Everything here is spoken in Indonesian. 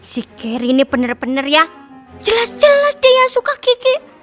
si giri ini bener bener ya jelas jelas dia suka kiki